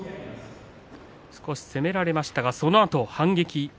少し攻められましたがそのあと反撃。